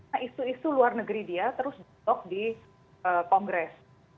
nah isu isu luar negeri dia terus di kongres